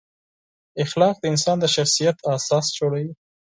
اخلاق د انسان د شخصیت اساس جوړوي.